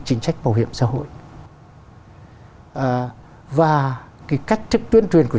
chính sách bảo hiểm xã hội và cái cách thức tuyên truyền của